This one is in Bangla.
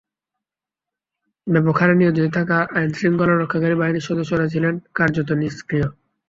ব্যাপক হারে নিয়োজিত থাকা আইনশৃঙ্খলা রক্ষাকারী বাহিনীর সদস্যরা ছিলেন কার্যত নিষ্ক্রিয়।